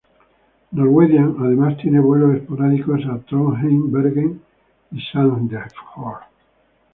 Norwegian además tiene vuelos esporádicos a Trondheim, Bergen y Sandefjord.